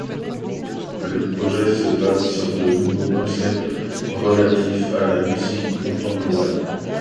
Le projet se base sur de nouveaux concepts relatifs à la musique contemporaine.